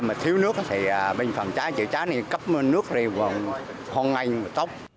mà thiếu nước thì bệnh phòng cháy chữa cháy cấp nước vào ngay tốc